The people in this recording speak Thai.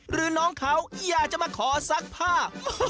หรือน้องเขาอยากจะมาขอซักผ้า